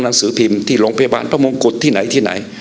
หนังสือพิมพ์ที่โรงพยาบาลพระมงกุฎที่ไหนที่ไหน